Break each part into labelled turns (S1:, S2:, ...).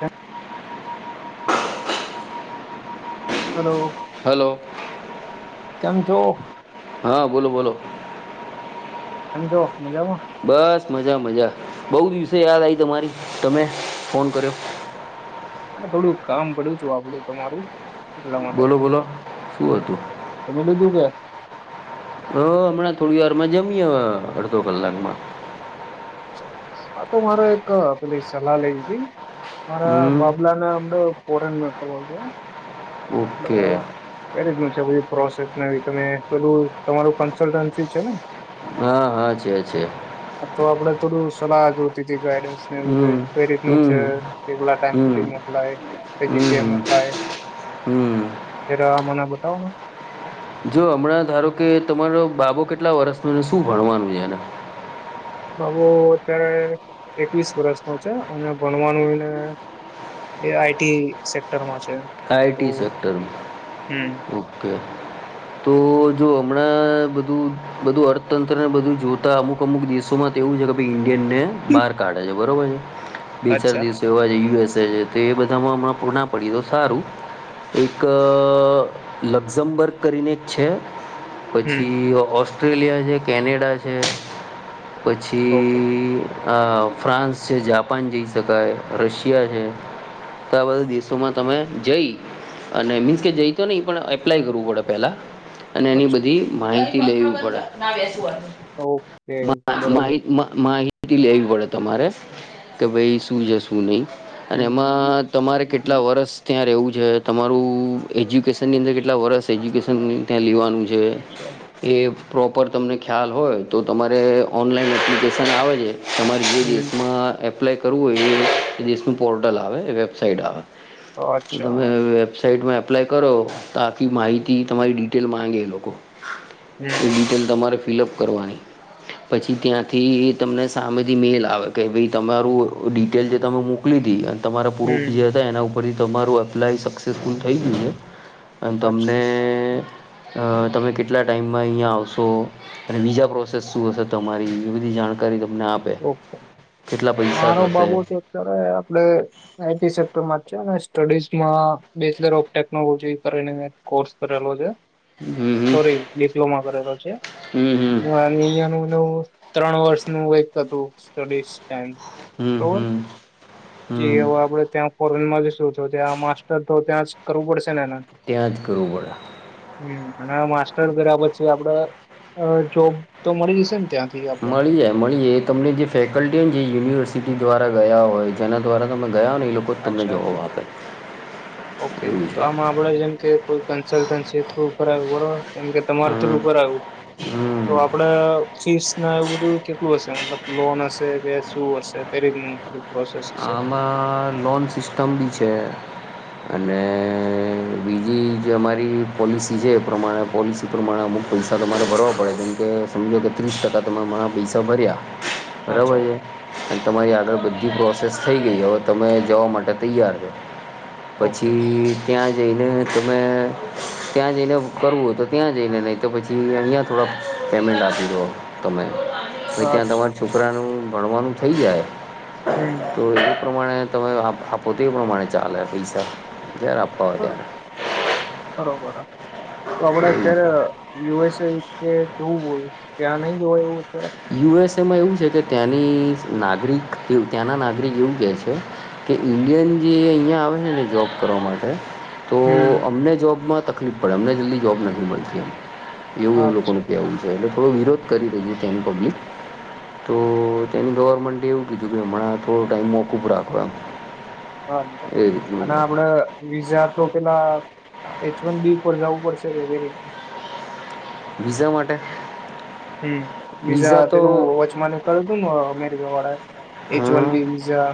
S1: હ hello
S2: hello
S1: કેમ છો?
S2: હા બોલો બોલો
S1: હજો મજામાં
S2: બસ મજા મજા બહુ દિવસે યાદ આવી તમારી તમે ફોન કર્યો
S1: હ થોડું કામ પડ્યું છું આપડું તમારું એટલા માટે.
S2: બોલો બોલો શું હતું
S1: તમે લીધું કે?
S2: હ હમણાં થોડી વારમાં જમીએ અડધો કલાકમાં
S1: હા તો મારે એક પેલી સલાહ લેધી મારા
S2: હમ
S1: બાબલા ને અમ તો ફોરેન મેવા છે પ
S2: ઓકે
S1: જ ન છે ભ પ્રોસેસમાં તમે પેલું તમારું કન્સલ્ટન્સી છે ને
S2: હા હા છે છે
S1: હા તો આપડે થોડું સલાહ જોતી હતી ડ
S2: હમ
S1: કઈ રીત છે
S2: હમ
S1: કેલા ટાઈમ
S2: હમ
S1: સુધી મોકલાય જગ્યા
S2: હમ
S1: મોકલાય
S2: હમ
S1: મને બધ બતાવનું
S2: જો હમણાં ધારો કે તમારો બાબો કેટલા વર્સનો શું ભણવાનું છે એને
S1: બાબુ અત્યારે એકવીસ વર્ષ ન છે અને ભણવાનુંને એ આઈટી સેક્ટરમાં છે ઓ
S2: આઈટી સેક્ટર
S1: હમ
S2: ઓકે તો જો હમણાં બધું બધું અર્થતંત્રને બધું જોતા અમુક અમુક દેશોમાં તો એવું છે કે ભ ઈન્ડિયનને બહાર કાઢે છે બરોબર છે બે ચાર
S1: અચ્છા
S2: દિવસે એવા જ યુએસ એધામાં હમણા પૂર્ણ પડી્યો સારું એક લક્ઝમબર્ગ કરીને જ છે
S1: હમ
S2: પછી ઓસ્ટ્રેલિયા છે કેનેડા છે
S1: ઓકે
S2: પછી ફ્રાન્સ છે જાપાન જઈ શકાય રશિયા છે તો આ બધા દેશોમાં તમે જઈ અને મીન્સ કે જઈ તો નહીં પણ એપ્લાય કરવું પડે પહેલાં અને એની
S1: અચ્છા
S2: બધી માહિતી લેવુંડા
S1: ઓકે બરોબર
S2: માહ માહિત લેવી પડે તમારે કે ભાઈ શું છે શું નહીં અને
S1: હમ.
S2: એમાં તમારે કેટલા વર્ષ એવું છે તમારું એજ્યુકેશનની અંદર કેટલા વર્ષ એજ્યુકેશન ત્યાં લેવાનું છે
S1: અચ્છા
S2: જે એ પ્રોપર તમને ખ્યાલ હોય તો તમારે ઓનલાઈન એપ્લિકેશન આવે છે તમારી જે
S1: હમ
S2: દેશમાં એપ્લાય કરવું એ દેશનું પોર્ટલ આવે વેબસાઇટ આવે
S1: અચ્છા
S2: તમે વેબસાઇટમાં એપ્લાય કરો તો આખી માહિતી તમારી ડિટેલ માગે એ લોકો
S1: હમ
S2: એ ડિટેલ તમારે ફિલઅપ કરવાની પછી ત્યાંથી તમને સામેથી મેલ આવે કે ભાઈ તમારું ડિટેલ જે તમે મોકલી દી તમારા પુફ
S1: હમ
S2: જે હતા એના ઉપ તમારું એપ્લાય સક્સેસફુલ થઈ ગઈ છે અને
S1: અચ્છા
S2: તમને અ તમે કેટલા ટાઈમમાં અહિયાયા આવશો અને બીજા પ્રોસેસ શું હશે તમારી એ બધી જાણકારી તમને આપે કેટલા પૈસા
S1: મારો
S2: થશે
S1: બાબુ છે અત્યારે આપડ આ સેક્ટરમાં છે સ્ટડીઝમાં બેચલર ઓફ ટેકનોલોજી કરીને કોર્સ કરેલો છે
S2: હમ હમ
S1: સોરી ડિપ્લોમા કરેલો છે
S2: હમ હમ
S1: અહયા નવું ત્રણ વર્ષનુંું એક તું સ્ટડીશ
S2: હમ હમ
S1: હવે
S2: હમ
S1: આપડે ત્યાં ફોરેન માં જ શું છ ત્યા માસ્ટર તો ત્યાં કરવું પડશે
S2: ત્યાં જ કરવું પડે
S1: માસ્ટર કર્યા પછી આપડ અ જોબ તો મળી જશે ને ત્યાં
S2: મળીએ મળીએ એ તમને જે ફેકલ્ટી જે યુનિવર્સિટી દ્વારા ગયા હોય જેના દ્વારા ત
S1: અચ્છા ઓકે
S2: એવું
S1: તો
S2: છે.
S1: આમ આપડે જેમ કે કોઈ કન્સલ્ટન્સી થ્રુ કરરા બરો કેમ કે તમારે થર
S2: હમ,
S1: આવું તો
S2: હમ.
S1: આપડે ફીસ ના એવું બધું કેટલું હશે મતલબ લોન હશે કે શું હશે પેરીધું
S2: આમાં લોન સિસ્ટમ બી છે અને બીજી જે અમારી પોલિસી છે એ પ્રમાણે પોલિસી પ્રમાણે અમુક પૈસા તમારે ભરવા પડે કેમકે સમજો કે ત્રીસ ટકા તમેણા પૈસા ભર્યા બરાબર
S1: અચ્છા
S2: છે, અને તમારી આગળ બધી પ્રો સક્સેસ થઈ ગઈ હવે તમે જવા માટે તૈયાર છો.
S1: ઓકે
S2: પછી ત્યાં જઈને તમે ત્યાં જઈને કરવું હો તો ત્યાં જઈને નહીં તો પછી અહીંયા થોડાક પેમેન્ટ આપી દો તમે. ત્યાં તમાર
S1: અચ્છા
S2: છોકરાનું ભણવાનું થઈ જાય.
S1: હમ
S2: હ. પ્રમાણે તમે આપો તે એ પ્રમાણે ચાલે પૈસા. જ્યારે આપવા હોય
S1: બરોબર
S2: ત્યારે
S1: બરોબર હ. આપડ
S2: એવું
S1: અત્યારે
S2: છે
S1: યુ એસ ય જોવું હોય ત્યાં નહી જોય એવું? અત્યારે
S2: યુ એસ માં એવું છે કે ત્યાંની નાગરિક ત્યાંના નાગરિક એવું કેહે છે, કે ઈન્ડિયન જે અહીં આવે છે ને જોબ કરવા માટે. તો
S1: હમ
S2: અમને જોબમાં તકલીફ પડે અમને જલ્દી જોબ નથી મળતી એમ. એવું એ લોકો ન
S1: અચ્છા
S2: કહેવું છે એટલે થોડો વિરોધ કરી રહ્યો છે. જેની પબ્લિક, તો તેની ગવર્મેન્ટે એવું કીધું કે હમણાં થોડો ટાઈમ મોકૂફ રાખવા એમ.
S1: હ
S2: એ રીતનું
S1: અને આપડે વીઝા પેલા એચ વન બી ઉપર જવું પડશે કે રી
S2: વિઝા માટે?
S1: હમ બીજા
S2: વિઝા તો
S1: પેલું વચમાન સ્થળ હતું [unintelligible] એચ વન
S2: હા
S1: બી વિઝા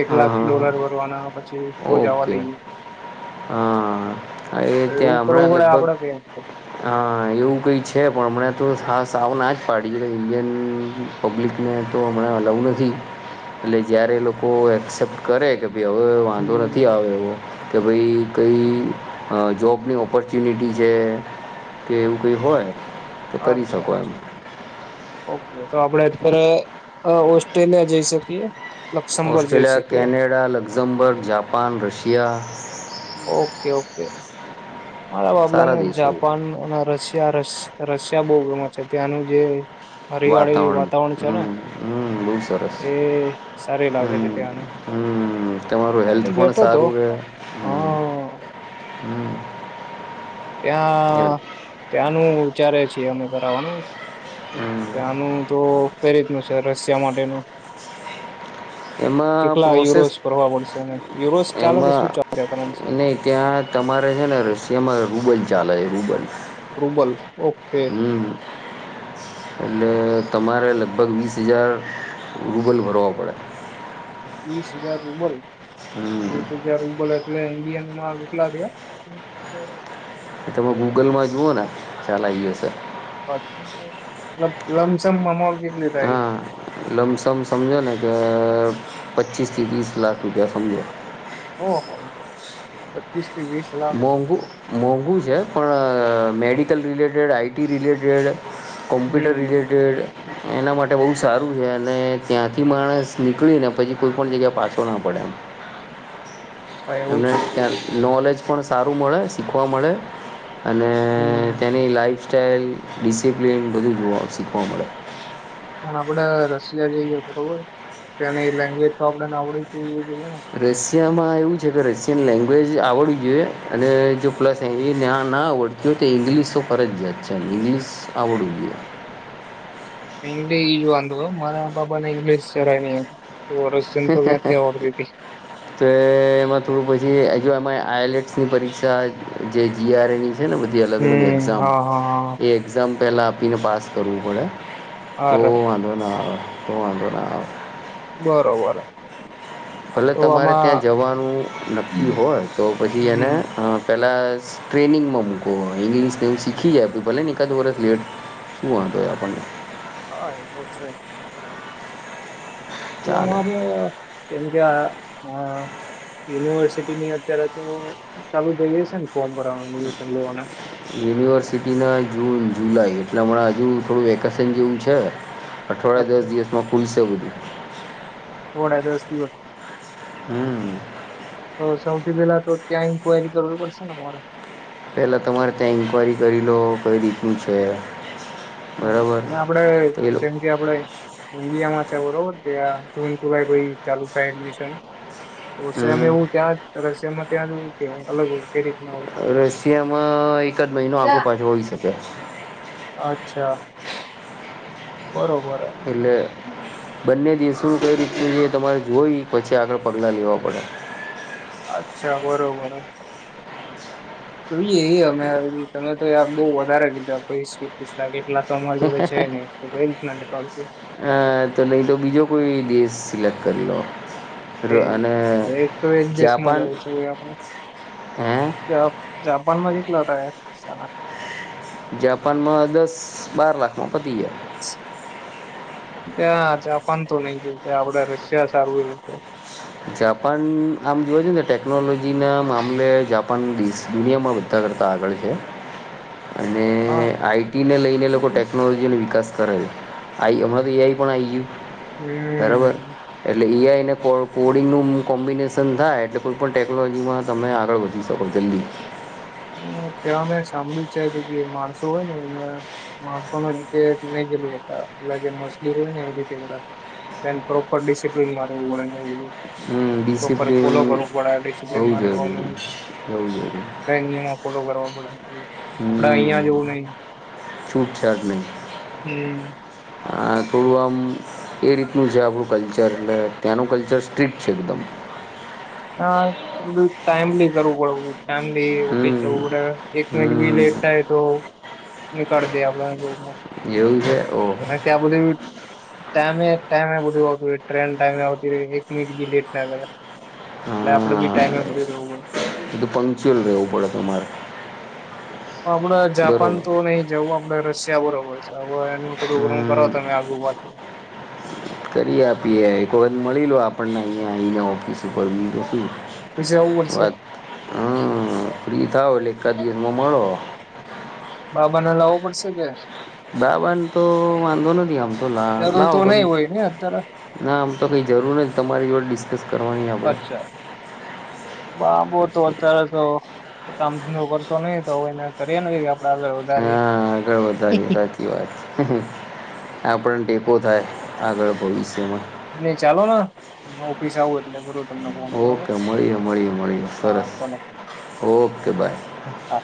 S1: એક
S2: હા
S1: લાખ
S2: હા
S1: ડોલર ભરવાના પછી તો જવા
S2: ઓકે
S1: દઈ.
S2: હા હા એ ત્યાં
S1: કરવું
S2: હમણાં
S1: પડે આપડે કે
S2: લગભગ અ એવું કઈ છે. છે પણ હમણાં તો સા સાવ ના જ પાડી એટલે ઇન્ડિયન પબ્લિકને તો હમણાં અલઉ નથી, એટલે જ્યારે લોકો એક્સેપ્ટ કરે કે ભી હવે વાંધો નથી
S1: હમ
S2: આવે એવો. કે ભાઈ કઈ જોબની ઓપોર્ચ્યુનિટી છે, કે એવું કંઈ હોય તો કરી
S1: અચ્છા
S2: શકો એમ.
S1: ઓકે તો આપડે અત્યારે ઓસ્ટ્રેલિયા જઈ શકીએ. લક્સમબર્ગ જઈ
S2: ઓસ્ટ્રેલિયા
S1: શકીએ
S2: કેનેડા લક્ઝમબર્ગ જાપાન રશિયા િયા
S1: ઓકે ઓકે મારા બાબલા ને
S2: સારા દેશો
S1: જાપાન અને રશિયા ર રશિયા બહુ ગમે છે ત્યાંનું જે હરિયાળી
S2: વાતાવરણ
S1: છે ને
S2: હમ બહ સરસ
S1: એ સારી
S2: હ
S1: લાગે છે ત્યાંની
S2: તમારું હેલ્થ પણ સારું ર
S1: હા
S2: હમ એવું
S1: ત્યાં ત્યાંનું વિચારે છીએ અમે કરાવવાનું
S2: હમ
S1: ત આનું તો ફ રતનું છે રશ માટેનું
S2: એમાં
S1: કેટલા
S2: પ્રોસેસ
S1: યુરોસ ભરવા પડશે ને યુરોસ ચાલે કે શું
S2: એમાં
S1: ચાલે કરન્સી
S2: ન ત્યાં તમારે છે ને રશિયામાં રૂબલ જાલય રૂબલ
S1: રૂબલ ઓકે
S2: હમ અને તમારે લગભગ વીસ હજાર રૂબલ ભરવા પડે
S1: વીસ હજાર ઉમર હ
S2: હમ
S1: તો જયાર ઉું બોલે લે ન્ડિયાનુંમાં વિકલાિયા
S2: એ તમે ગૂગલ માં જુઓ ને ચાાલ આવી હશે
S1: અચછા લમસ મ
S2: હા લમસમ સમજો ને કે પચીસથી તીસ લાખ રૂપિયા સમજો
S1: ઓહ પચસ
S2: મોગુ મોગુ છે પણ medical related IT related computer
S1: hmm
S2: related એના માટે બહુ સારું છે અને ત્યાંથી માણસ નીકળીને પછી કોઈ પણ જગ્યા પાછો ના પડે એમ
S1: અચ્છા એવું
S2: એમને
S1: છે
S2: નોલેજ પણ સારું મળે શીખવા મળે અને
S1: હમ
S2: તેની લાઈફ સ્ટાઈઇલ ડિસિપ્લિન બધું જોવા શીખવા મળે
S1: પણ આપડે રશિયા જઈ ગયા બરોબર તની લેંગ્વેજ તો આપડેને આવડી જો એ
S2: રશિયામાં એવું છે કે રશિયન લેંગ્વેજ આવડવું જોઈએ અને જો પ્લસ એને્યા ના આવડતી હોય તો ઇંગ્લિશ તો ફરજિયાત છે ઇંગ્લિશ આવડવું જોઈએ
S1: એંગ્શ વાંધો મારા બાપાને ઇંગ્લિશની
S2: તો એમાં થોડું પછી જો એમાં આઈલેટ્સની પરીક્ષા જે જીઆર એ ની છે ને બધી અલગ અલગ
S1: હમ
S2: એક્ઝામ
S1: હા હા
S2: એ એક્ઝામ પહેલાં આપીને પાસ કરવું પડે
S1: હા
S2: ઓ
S1: અરે
S2: વાંધ ના તો વાંધ ના
S1: બરોબર
S2: ભલે
S1: તો
S2: તમારે ત્યાં
S1: આમાં
S2: જવાનું નક્કી હોય તો પછી એને
S1: હમ
S2: પેલા ટ્રેનિંગમાં મૂકો ઇંગ્લિશ ને એવું શીખી જાય આપું ભલે ને એકાદ વરષ લેટ શું વાંધય આપણને
S1: હા એ તો જ છે તો
S2: ચાલે
S1: આમાં આપડ કેમ કે હ યુનિવર્સિટી ની અત્યારે તો ચાલુ થઈ હશે ને ફોર્મ ભરવાનું એડમિશન લેવાના.
S2: યુનિવર્સિટી ના જૂન જુલાઈ એટલે હમણાં હજુ થોડું વેકેશન જેવું છે અઠવાડ દસ દિવસમાં પુલસે બધી
S1: થડા દિવસ દિવસ
S2: હમ
S1: સૌથી પેલા તો ત્યાં ઇન્કવાયરી કરવી પડશે ને મારે
S2: પેલા તમારે ત્યાં ન્કવાયરી કરી લો કઈ રીતનું છે બરાબર
S1: આપડે
S2: તો એ લો
S1: જેમ કે આપડે ડિયામાં બરોબરુભાઈ ચાલુ થાય એડમિશન રસેમ
S2: હમ
S1: એવું ત્યાં જ રસમાં તનું કે અલગ કે રીતના હોય?
S2: રશિયામાં એકદ મહિનો આખો પાછો હોય શકે
S1: અચ્છા બરોબર.
S2: એટલે
S1: હમ.
S2: બંને દિવસો કઈ રીત તમારે જોઈ પછી આગળ પગલાં લેવા પડે
S1: અચ્છા બરોબર જો એ અમે તમે તો બહ વધારે લીધા પ પસ લાખ એક લાખ
S2: હ તો નહી તો બીજો કોઈ બીએસ સિલેક્ટ કરી લો
S1: એ
S2: ર- અને
S1: એક તો એક દેશમાં
S2: જાપાન
S1: જવું છું આપણે
S2: હે
S1: ત જાપાન માં જેટલા હતા ચાલ
S2: જાપાનમાં દસ બાર લાખમાં પતી ગયા
S1: ત્યા જાપાન તો નઈ જોયું આપડે રશિયા સારું એવું છે
S2: જાપાન આમ જોવ છે ને ટેકનોલોજી ના મામલે જાપાન દુનિયામાં બધા કરતા આગળ છે અને
S1: હા
S2: આઈટી ને લઈને લોકો
S1: હમ
S2: ટેકનોલોજી નો વિકાસ કરે છે આ આઇ હમણાં તો એઆઈ પણ આવી ગયું બરોબર એટલે એ આઈ [unintelligible] કોડિંગનું કોમ્બિનેશન થાય એટલે કોઈ પણ ટેક્નોલોજીમાં તમે આગળ વધી શકો જલ્દી
S1: હ ત્યાં અમે સાંભળ્યું જ છે કે જે માણસો હોય ને માણસો જીતે ગેલું હતા પ જે મસ્ હોય ને એ રીતે પ્રોપર ડિસિપ્લીન મા રહેવું પડે ને
S2: હમ
S1: પ્રોપર ફોલો
S2: ડિસિપ્લીન
S1: કરવું પડે
S2: બહુ
S1: ડિસિપ્લિનમાં રહેવાનું
S2: જરૂરી, બહુ જરૂરી
S1: બે ફોલો કરવા પડે આપડે અહીંયા
S2: હમ
S1: જેવું નહી
S2: છૂટછાટ નહીં
S1: હમ
S2: થોડું આમ એ રીતનું છે આપણું કલ્ચર એટલે ત્યાંનું કલ્ચર સ્ટ્રિક છે એકદમ
S1: હા થોડું ટાઈમલી કરવું પડું ટાઈમ લી ઓફિસ
S2: હમ
S1: જવું પડે એક મિનિટ બી
S2: હમ
S1: લેટ થાય તો નીકળ દે આપ જોબમાં
S2: એવું છે ઓહો
S1: ના કે આ બધી ટાયમે ટાયમે બ આવતું ટ્રેન ટાઈમે આવતી હોય એક મિનિટ બી લેટ ના કરે એટલે આપડે બી
S2: હા
S1: ટાઈમે બધું રહેવું
S2: બધું પંક્ચુઅલ રહેવું પડે તમારે
S1: આપડે
S2: બરાબર
S1: જાપાન તો નહી જવું આપડે રશિયા બરોબર છે. હો એનું થોડુંક હું કરો
S2: હમ
S1: તમે આગલું બાકી
S2: કરી આપીએ એક વખત મળી લો આપણને અહીંયા આઈ ઓફિસ
S1: પછી આવવું પડશે
S2: વાત હમ ફ્રી થાવ એટ એકાદ દિવસમાં મળો
S1: બાબાને લાવવો પડશે કે
S2: બાબ તો વાંધો નથી આમતો તો લા
S1: જરૂર
S2: લાવો તો
S1: નહી
S2: બી
S1: હોય ને અત્યારે
S2: ના આમ તો કંઈ જરૂર નહી તમારી જોડે ડિસ્કસ કરવાની આપણે
S1: અચ્છા બાબો તોહ અત્યારે તો કામ ધંધો કરતો નહી તો હવે એને કરી ને આગળ
S2: હા
S1: વધારીએ
S2: આગળ વધાગ સાચી વાત આપણને ટેકો થાય આગળ ભવિષ્યમાં
S1: એલે ચાલો એ ઓફિસ આવું એટલે ઘરો
S2: ઓકે મળીએ મળીએ મળીએ
S1: હા
S2: સરસ
S1: ચાલો
S2: ઓકે બાય
S1: હા